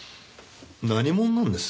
何者なんです？